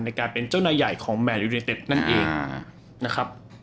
ในการเป็นเจ้าหน้าใหญ่ของแม่อยู่ในเต็ปนั่นเอง